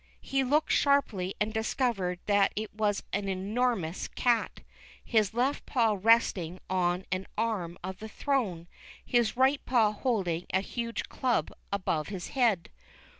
He looked sharply and discovered that it was an enormous cat, his left paw resting on an arm of the throne, his right paw holding a huge club above his head.